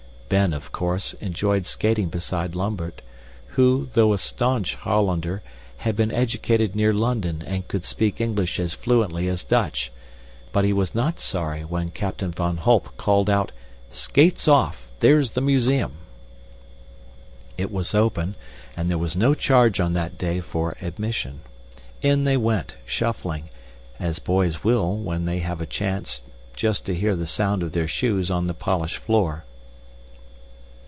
Ben, of course, enjoyed skating beside Lambert, who, though a staunch Hollander, had been educated near London and could speak English as fluently as Dutch, but he was not sorry when Captain van Holp called out, "Skates off! There's the museum!" It was open, and there was no charge on that day for admission. In they went, shuffling, as boys will when they have a chance, just to hear the sound of their shoes on the polished floor.